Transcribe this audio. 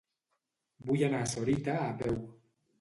Vull anar a Sorita a peu.